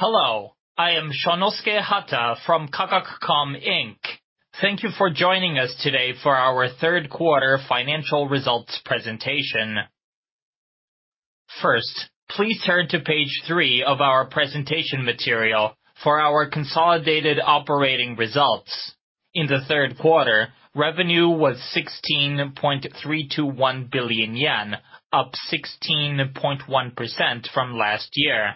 Hello, I am Shonosuke Hata from Kakaku.com, Inc. Thank you for joining us today for our third quarter financial results presentation. First, please turn to page three of our presentation material for our consolidated operating results. In the third quarter, revenue was 16.321 billion yen, up 16.1% from last year.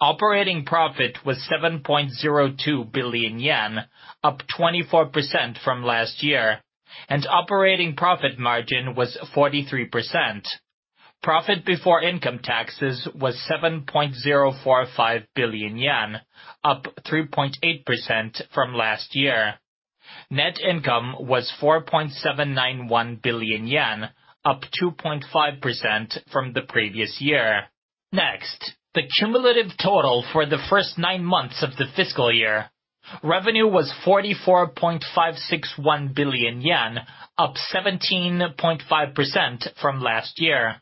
Operating profit was 7.02 billion yen, up 24% from last year, and operating profit margin was 43%. Profit before income taxes was 7.045 billion yen, up 3.8% from last year. Net income was 4.791 billion yen, up 2.5% from the previous year. Next, the cumulative total for the first nine months of the fiscal year. Revenue was 44.561 billion yen, up 17.5% from last year.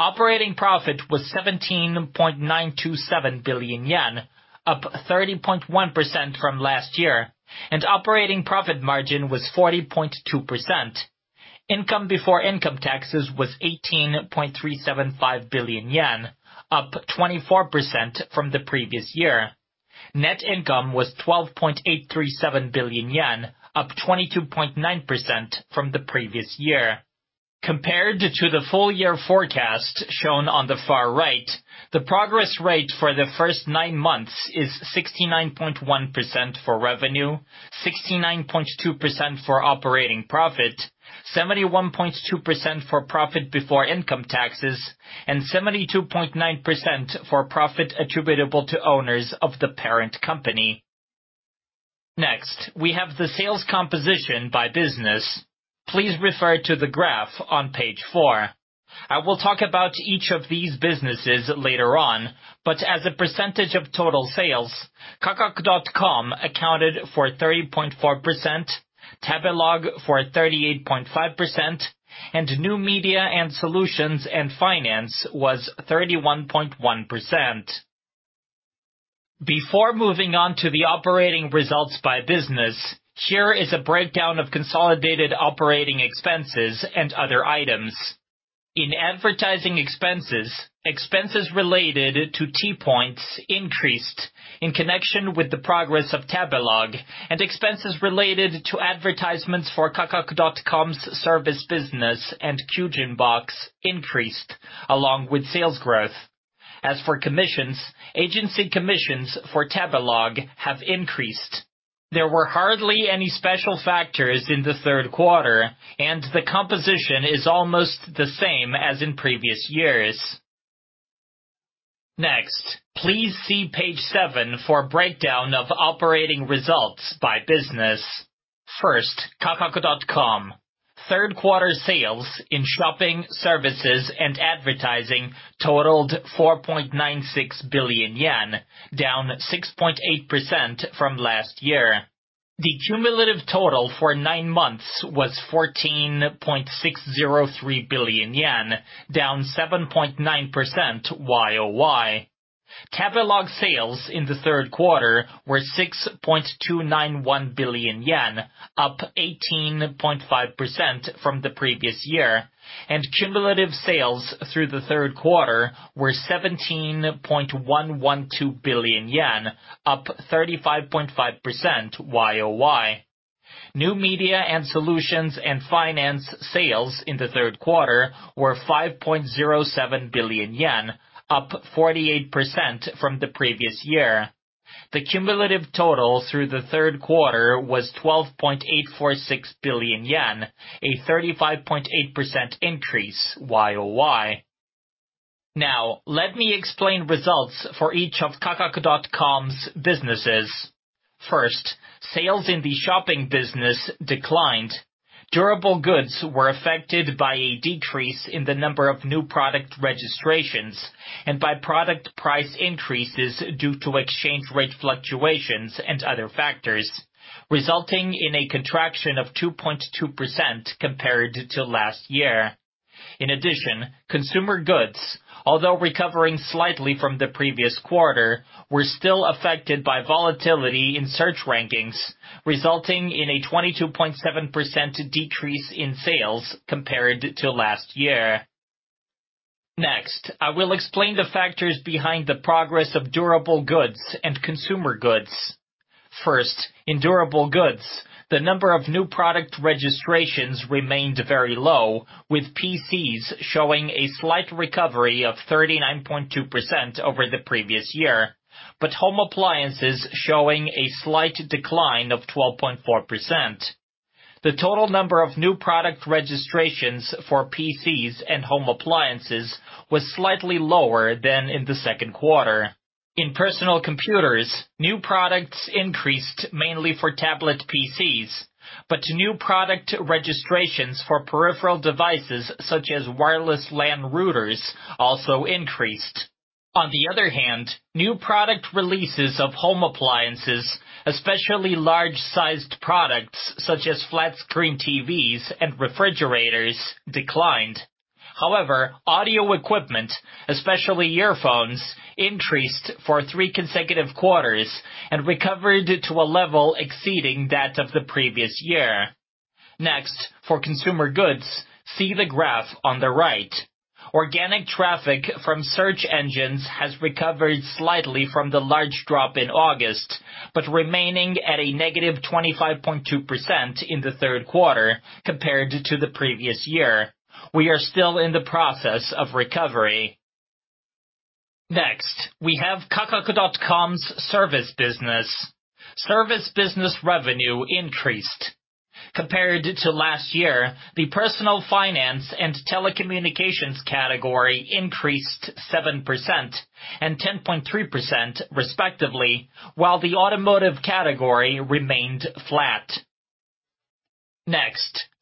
Operating profit was 17.927 billion yen, up 30.1% from last year. Operating profit margin was 40.2%. Income before income taxes was 18.375 billion yen, up 24% from the previous year. Net income was 12.837 billion yen, up 22.9% from the previous year. Compared to the full year forecast shown on the far right, the progress rate for the first nine months is 69.1% for revenue, 69.2% for operating profit, 71.2% for profit before income taxes, and 72.9% for profit attributable to owners of the parent company. We have the sales composition by business. Please refer to the graph on page four. I will talk about each of these businesses later on, but as a percentage of total sales, Kakaku.com accounted for 30.4%, Tabelog for 38.5%, and New Media and Solutions/Finance was 31.1%. Before moving on to the operating results by business, here is a breakdown of consolidated operating expenses and other items. In advertising expenses related to T-Point increased in connection with the progress of Tabelog and expenses related to advertisements for Kakaku.com's service business and Kyujin Box increased along with sales growth. For commissions, agency commissions for Tabelog have increased. There were hardly any special factors in the third quarter, and the composition is almost the same as in previous years. Please see page seven for breakdown of operating results by business. Kakaku.com. Third quarter sales in shopping, services and advertising totaled 4.96 billion yen, down 6.8% from last year. The cumulative total for nine months was 14.603 billion yen, down 7.9% Y-o-Y. Tabelog sales in the third quarter were 6.291 billion yen, up 18.5% from the previous year, and cumulative sales through the third quarter were 17.112 billion yen, up 35.5% Y-o-Y. New Media and Solutions/Finance sales in the third quarter were 5.07 billion yen, up 48% from the previous year. The cumulative total through the third quarter was 12.846 billion yen, a 35.8% increase Y-o-Y. Now, let me explain results for each of Kakaku.com's businesses. First, sales in the shopping business declined. Durable goods were affected by a decrease in the number of new product registrations and by product price increases due to exchange rate fluctuations and other factors, resulting in a contraction of 2.2% compared to last year. Consumer goods, although recovering slightly from the previous quarter, were still affected by volatility in search rankings, resulting in a 22.7% decrease in sales compared to last year. I will explain the factors behind the progress of durable goods and consumer goods. In durable goods, the number of new product registrations remained very low, with PCs showing a slight recovery of 39.2% over the previous year, but home appliances showing a slight decline of 12.4%. The total number of new product registrations for PCs and home appliances was slightly lower than in the second quarter. In personal computers, new products increased mainly for tablet PCs, but new product registrations for peripheral devices such as wireless LAN routers also increased. On the other hand, new product releases of home appliances, especially large-sized products such as flat-screen TVs and refrigerators, declined. However, audio equipment, especially earphones, increased for three consecutive quarters and recovered to a level exceeding that of the previous year. Next, for consumer goods, see the graph on the right. Organic traffic from search engines has recovered slightly from the large drop in August, but remaining at a -25.2% in the third quarter compared to the previous year. We are still in the process of recovery. Next, we have Kakaku.com's service business. Service business revenue increased. Compared to last year, the personal finance and telecommunications category increased 7% and 10.3% respectively, while the automotive category remained flat.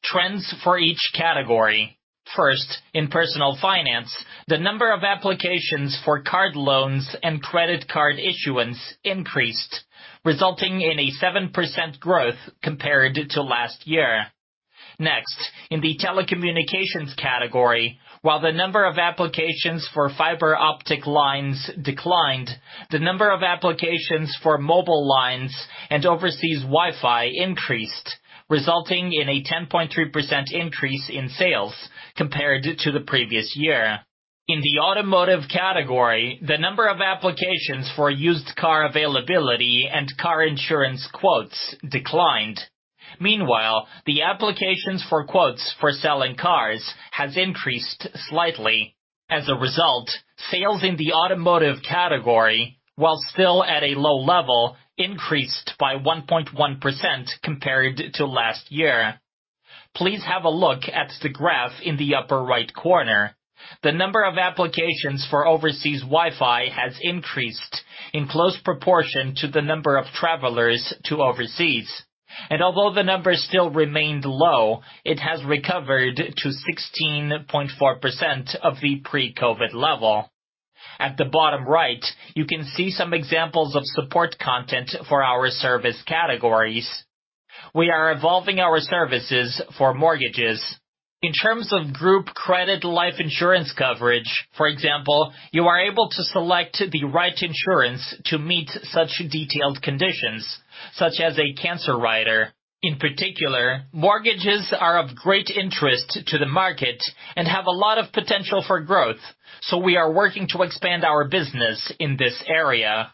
Trends for each category. First, in personal finance, the number of applications for card loans and credit card issuance increased, resulting in a 7% growth compared to last year. In the telecommunications category, while the number of applications for fiber optic lines declined, the number of applications for mobile lines and overseas Wi-Fi increased, resulting in a 10.3% increase in sales compared to the previous year. In the automotive category, the number of applications for used car availability and car insurance quotes declined. Meanwhile, the applications for quotes for selling cars has increased slightly. Sales in the automotive category, while still at a low level, increased by 1.1% compared to last year. Please have a look at the graph in the upper right corner. The number of applications for overseas Wi-Fi has increased in close proportion to the number of travelers to overseas. Although the numbers still remained low, it has recovered to 16.4% of the pre-COVID-19 level. At the bottom right, you can see some examples of support content for our service categories. We are evolving our services for mortgages. In terms of group credit life insurance coverage, for example, you are able to select the right insurance to meet such detailed conditions, such as a cancer rider. In particular, mortgages are of great interest to the market and have a lot of potential for growth, so we are working to expand our business in this area.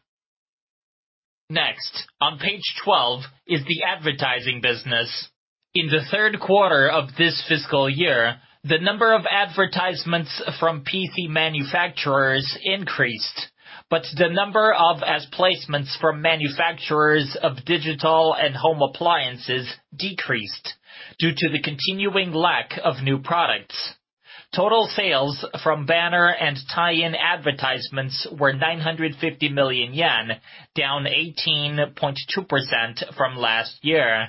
Next, on page 12 is the advertising business. In the third quarter of this fiscal year, the number of advertisements from PC manufacturers increased, but the number of ad placements from manufacturers of digital and home appliances decreased due to the continuing lack of new products. Total sales from banner and tie-in advertisements were 950 million yen, down 18.2% from last year.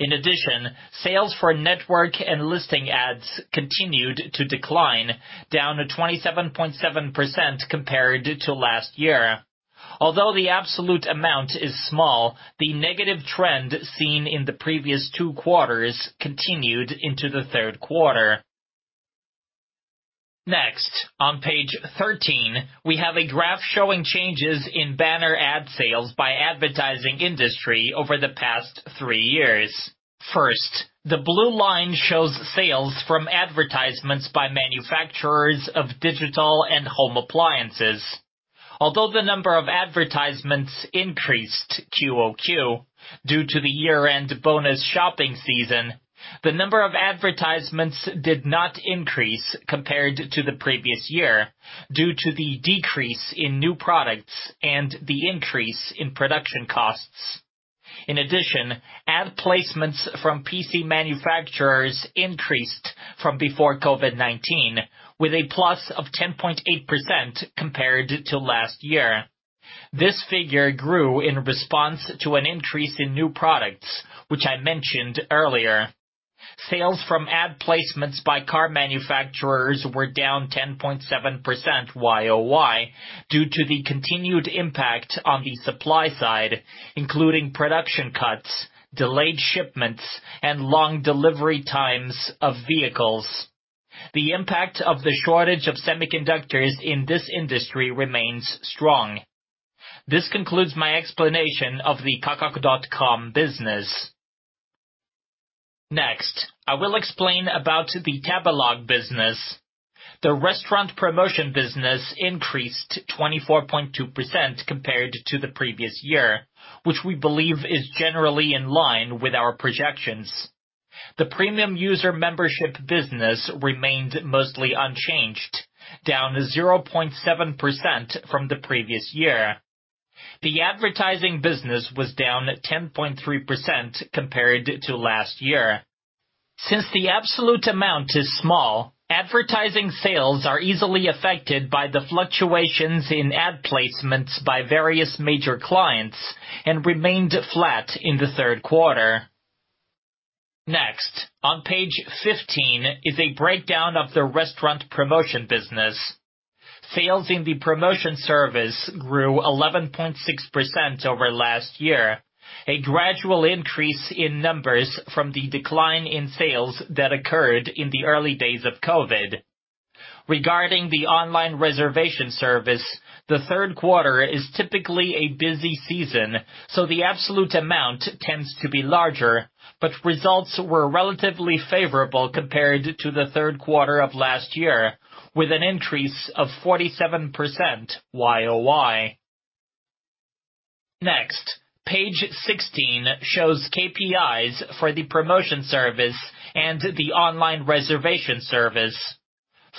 In addition, sales for network and listing ads continued to decline, down to 27.7% compared to last year. Although the absolute amount is small, the negative trend seen in the previous two quarters continued into the third quarter. On page 13, we have a graph showing changes in banner ad sales by advertising industry over the past three years. First, the blue line shows sales from advertisements by manufacturers of digital and home appliances. Although the number of advertisements increased QOQ due to the year-end bonus shopping season, the number of advertisements did not increase compared to the previous year due to the decrease in new products and the increase in production costs. Ad placements from PC manufacturers increased from before COVID-19 with a +10.8% compared to last year. This figure grew in response to an increase in new products, which I mentioned earlier. Sales from ad placements by car manufacturers were down -10.7% Y-o-Y due to the continued impact on the supply side, including production cuts, delayed shipments, and long delivery times of vehicles. The impact of the shortage of semiconductors in this industry remains strong. This concludes my explanation of the Kakaku.com business. I will explain about the Tabelog business. The restaurant promotion business increased 24.2% compared to the previous year, which we believe is generally in line with our projections. The premium user membership business remained mostly unchanged, down 0.7% from the previous year. The advertising business was down 10.3% compared to last year. Since the absolute amount is small, advertising sales are easily affected by the fluctuations in ad placements by various major clients and remained flat in the third quarter. On page 15, is a breakdown of the restaurant promotion business. Sales in the promotion service grew 11.6% over last year, a gradual increase in numbers from the decline in sales that occurred in the early days of COVID. Regarding the online reservation service, the third quarter is typically a busy season, so the absolute amount tends to be larger, but results were relatively favorable compared to the third quarter of last year, with an increase of 47% Y-o-Y. Next, page 16 shows KPIs for the promotion service and the online reservation service.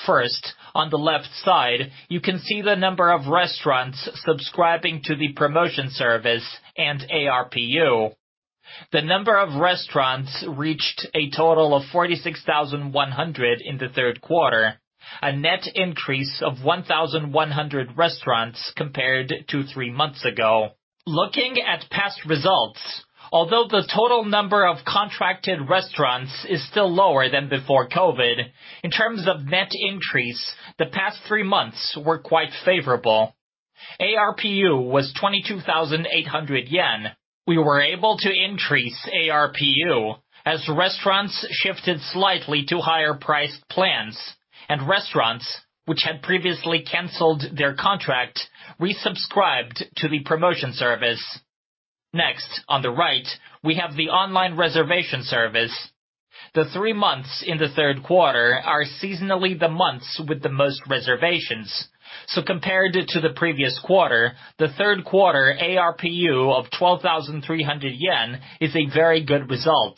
First, on the left side, you can see the number of restaurants subscribing to the promotion service and ARPU. The number of restaurants reached a total of 46,100 in the third quarter, a net increase of 1,100 restaurants compared to three months ago. Looking at past results, although the total number of contracted restaurants is still lower than before COVID, in terms of net increase, the past three months were quite favorable. ARPU was 22,800 yen. We were able to increase ARPU as restaurants shifted slightly to higher priced plans and restaurants, which had previously canceled their contract, resubscribed to the promotion service. Next, on the right, we have the online reservation service. The three months in the third quarter are seasonally the months with the most reservations, so compared to the previous quarter, the third quarter ARPU of 12,300 yen is a very good result.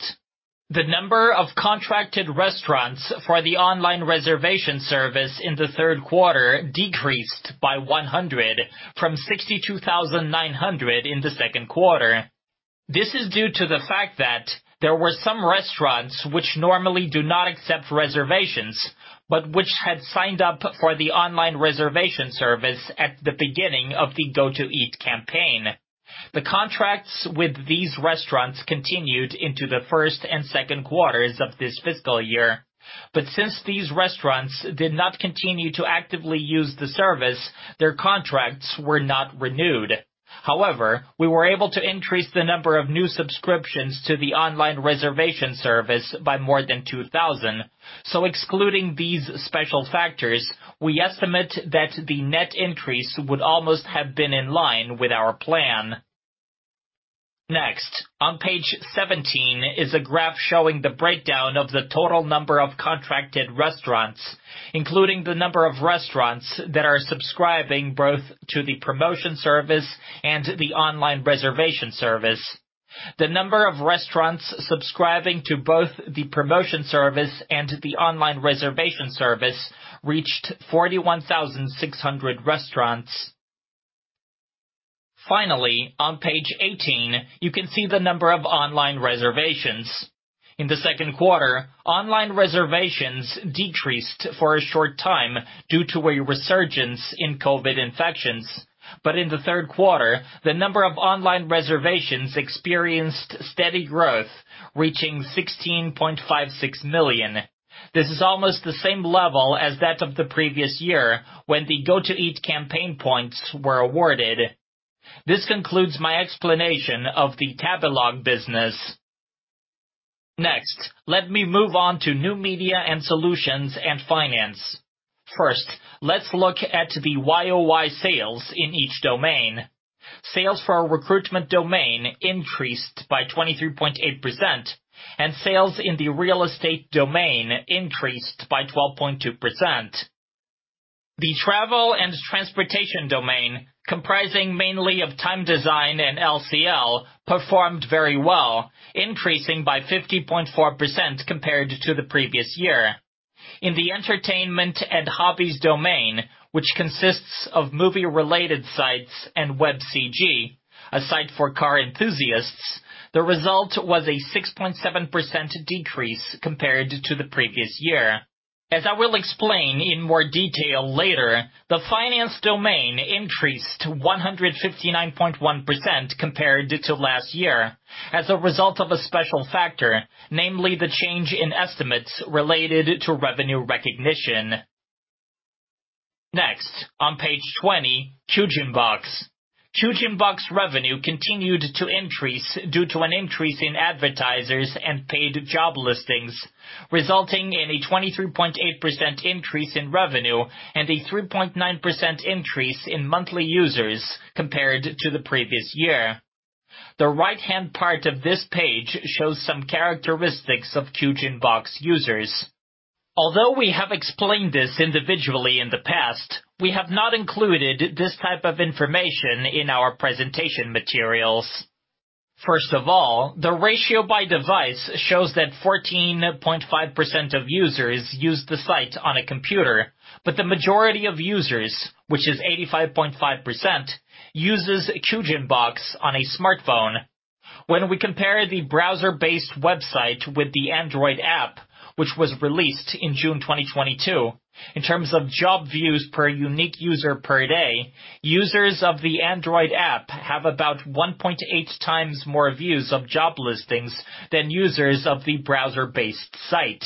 The number of contracted restaurants for the online reservation service in the third quarter decreased by 100 from 62,900 in the second quarter. This is due to the fact that there were some restaurants which normally do not accept reservations, but which had signed up for the online reservation service at the beginning of the Go To Eat campaign. The contracts with these restaurants continued into the first and second quarters of this fiscal year. Since these restaurants did not continue to actively use the service, their contracts were not renewed. We were able to increase the number of new subscriptions to the online reservation service by more than 2,000. Excluding these special factors, we estimate that the net increase would almost have been in line with our plan. Next, on page 17, is a graph showing the breakdown of the total number of contracted restaurants, including the number of restaurants that are subscribing both to the promotion service and the online reservation service. The number of restaurants subscribing to both the promotion service and the online reservation service reached 41,600 restaurants. On page 18, you can see the number of online reservations. In the second quarter, online reservations decreased for a short time due to a resurgence in COVID-19 infections. In the third quarter, the number of online reservations experienced steady growth, reaching 16.56 million. This is almost the same level as that of the previous year, when the Go To Eat campaign points were awarded. This concludes my explanation of the Tabelog business. Next, let me move on to New Media and Solutions and Finance. First, let's look at the Y-o-Y sales in each domain. Sales for our recruitment domain increased by 23.8%, and sales in the real estate domain increased by 12.2%. The travel and transportation domain, comprising mainly of Time Design and LCL, performed very well, increasing by 50.4% compared to the previous year. In the entertainment and hobbies domain, which consists of movie-related sites and webCG, a site for car enthusiasts, the result was a 6.7% decrease compared to the previous year. As I will explain in more detail later, the finance domain increased to 159.1% compared to last year as a result of a special factor, namely the change in estimates related to revenue recognition. Next, on page 20, Kyujin Box. Kyujin Box revenue continued to increase due to an increase in advertisers and paid job listings, resulting in a 23.8% increase in revenue and a 3.9% increase in monthly users compared to the previous year. The right-hand part of this page shows some characteristics of Kyujin Box users. Although we have explained this individually in the past, we have not included this type of information in our presentation materials. First of all, the ratio by device shows that 14.5% of users use the site on a computer, but the majority of users, which is 85.5%, uses Kyujin Box on a smartphone. When we compare the browser-based website with the Android app, which was released in June 2022, in terms of job views per unique user per day, users of the Android app have about 1.8x more views of job listings than users of the browser-based site.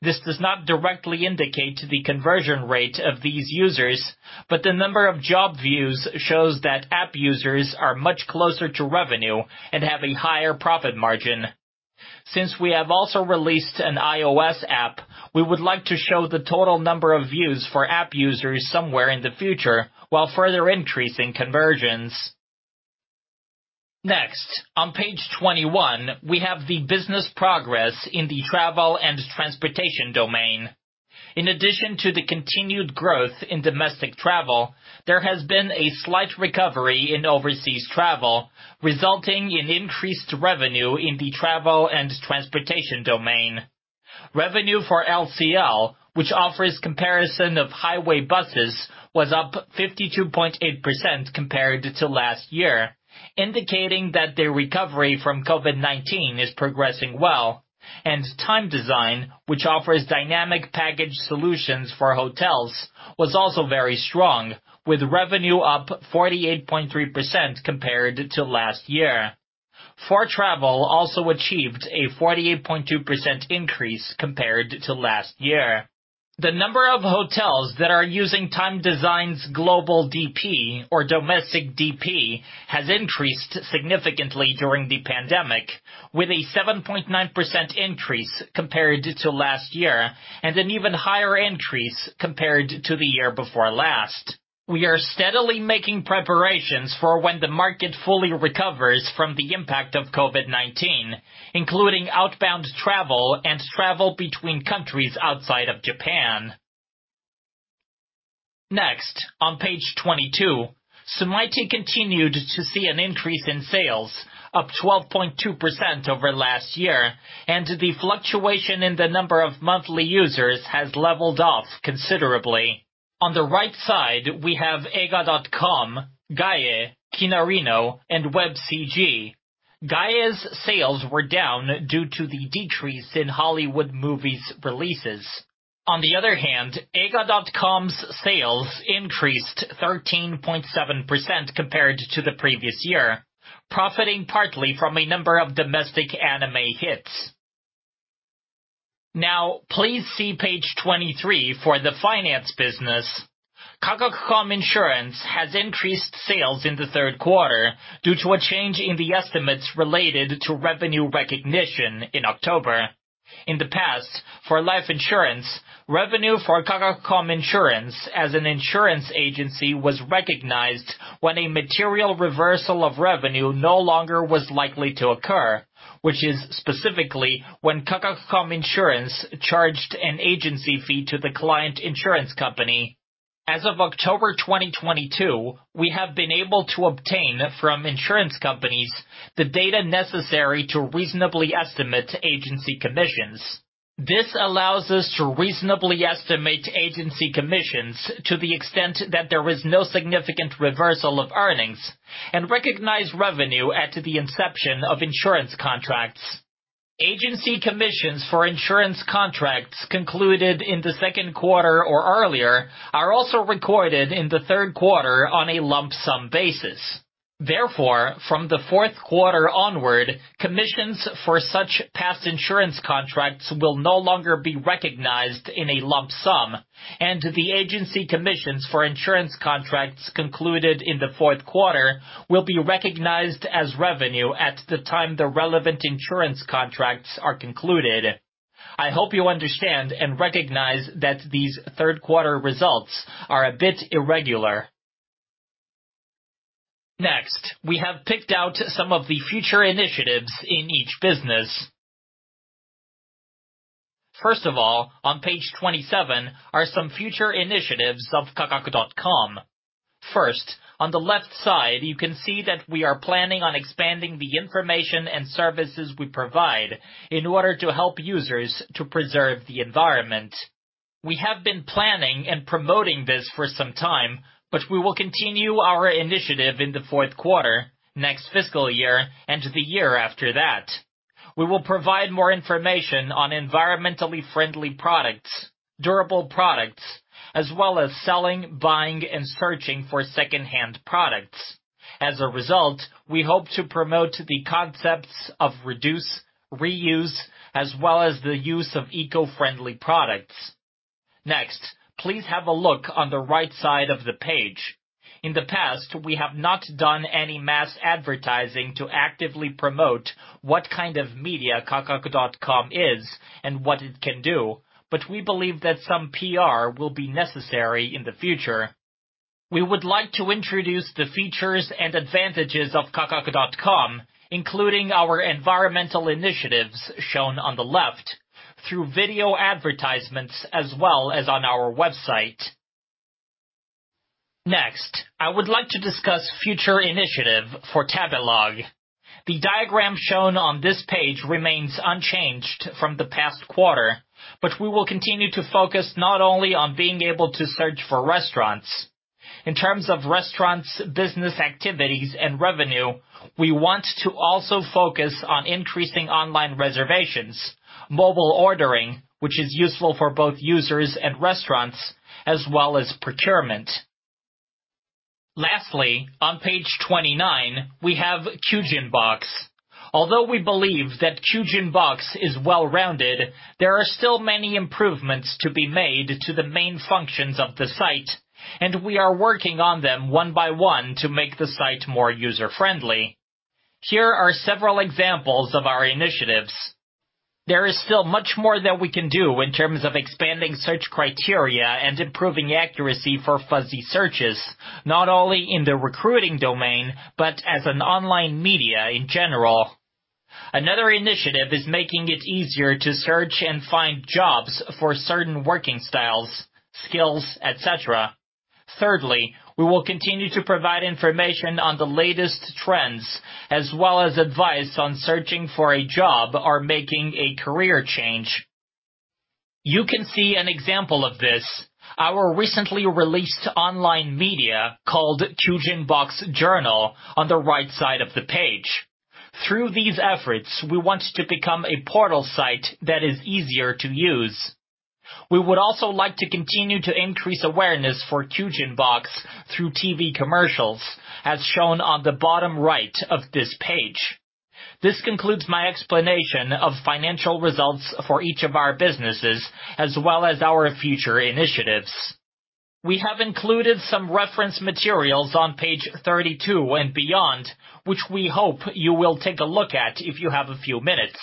This does not directly indicate the conversion rate of these users, but the number of job views shows that app users are much closer to revenue and have a higher profit margin. Since we have also released an iOS app, we would like to show the total number of views for app users somewhere in the future while further increasing conversions. Next, on page 21, we have the business progress in the travel and transportation domain. In addition to the continued growth in domestic travel, there has been a slight recovery in overseas travel, resulting in increased revenue in the travel and transportation domain. Revenue for LCL, which offers comparison of highway buses, was up 52.8% compared to last year, indicating that their recovery from COVID-19 is progressing well. Time Design, which offers dynamic package solutions for hotels, was also very strong, with revenue up 48.3% compared to last year. 4travel also achieved a 48.2% increase compared to last year. The number of hotels that are using Time Design's Global DP or Domestic DP has increased significantly during the pandemic, with a 7.9% increase compared to last year and an even higher increase compared to the year before last. We are steadily making preparations for when the market fully recovers from the impact of COVID-19, including outbound travel and travel between countries outside of Japan. On page 22, Sumaity continued to see an increase in sales up 12.2% over last year, and the fluctuation in the number of monthly users has leveled off considerably. On the right side, we have Eiga.com, Gaia, Kinarino, and webCG. Gaia's sales were down due to the decrease in Hollywood movies releases. Eiga.com's sales increased 13.7% compared to the previous year, profiting partly from a number of domestic anime hits. Please see page 23 for the finance business. Kakaku.com Insurance has increased sales in the third quarter due to a change in the estimates related to revenue recognition in October. For life insurance, revenue for Kakaku.com Insurance as an insurance agency was recognized when a material reversal of revenue no longer was likely to occur, which is specifically when Kakaku.com Insurance charged an agency fee to the client insurance company. As of October 2022, we have been able to obtain from insurance companies the data necessary to reasonably estimate agency commissions. This allows us to reasonably estimate agency commissions to the extent that there is no significant reversal of earnings and recognize revenue at the inception of insurance contracts. Agency commissions for insurance contracts concluded in the second quarter or earlier are also recorded in the third quarter on a lump sum basis. From the fourth quarter onward, commissions for such past insurance contracts will no longer be recognized in a lump sum, and the agency commissions for insurance contracts concluded in the fourth quarter will be recognized as revenue at the time the relevant insurance contracts are concluded. I hope you understand and recognize that these third quarter results are a bit irregular. Next, we have picked out some of the future initiatives in each business. First of all, on page 27 are some future initiatives of Kakaku.com. First, on the left side, you can see that we are planning on expanding the information and services we provide in order to help users to preserve the environment. We have been planning and promoting this for some time, but we will continue our initiative in the fourth quarter, next fiscal year, and the year after that. We will provide more information on environmentally friendly products, durable products, as well as selling, buying, and searching for secondhand products. As a result, we hope to promote the concepts of reduce, reuse, as well as the use of eco-friendly products. Please have a look on the right side of the page. In the past, we have not done any mass advertising to actively promote what kind of media Kakaku.com is and what it can do, but we believe that some PR will be necessary in the future. We would like to introduce the features and advantages of Kakaku.com, including our environmental initiatives shown on the left through video advertisements as well as on our website. I would like to discuss future initiative for Tabelog. The diagram shown on this page remains unchanged from the past quarter, but we will continue to focus not only on being able to search for restaurants. In terms of restaurants, business activities, and revenue, we want to also focus on increasing online reservations, mobile ordering, which is useful for both users and restaurants, as well as procurement. Lastly, on page 29, we have Kyujin Box. Although we believe that Kyujin Box is well-rounded, there are still many improvements to be made to the main functions of the site, and we are working on them one by one to make the site more user-friendly. Here are several examples of our initiatives. There is still much more that we can do in terms of expanding search criteria and improving accuracy for fuzzy searches, not only in the recruiting domain, but as an online media in general. Another initiative is making it easier to search and find jobs for certain working styles, skills, et cetera. We will continue to provide information on the latest trends as well as advice on searching for a job or making a career change. You can see an example of this, our recently released online media called Kyujin Box Journal on the right side of the page. Through these efforts, we want to become a portal site that is easier to use. We would also like to continue to increase awareness for Kyujin Box through TV commercials as shown on the bottom right of this page. This concludes my explanation of financial results for each of our businesses as well as our future initiatives. We have included some reference materials on page 32 and beyond, which we hope you will take a look at if you have a few minutes.